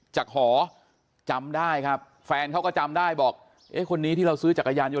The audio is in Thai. หอจำได้ครับแฟนเขาก็จำได้บอกเอ๊ะคนนี้ที่เราซื้อจักรยานยน